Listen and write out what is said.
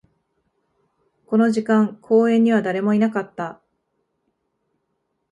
この時間、公園には誰もいなかった